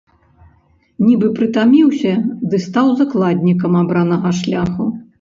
Нібы прытаміўся ды стаў закладнікам абранага шляху.